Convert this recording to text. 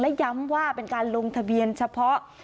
และย้ำว่าเป็นการลงทะเบียนเฉพาะ